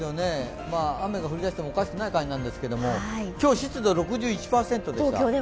雨が降り出してもおかしくない漢字なんですけれども今日、湿度６１％でした。